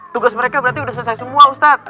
tugas mereka berarti udah selesai semua ustad